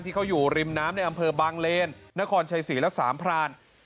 ที่เขาอยู่ริมน้ำในอำเภอบางเลนนครชัยศรีและสามพราน